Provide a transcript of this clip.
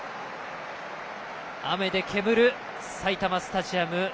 雨で煙る埼玉スタジアム。